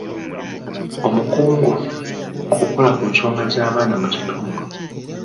Omukungu mu kukola ku nsonga z'abaana mu kitundu.